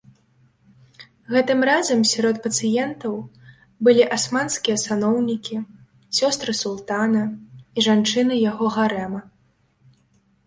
Гэтым разам сярод пацыентаў былі асманскія саноўнікі, сёстры султана і жанчыны яго гарэма.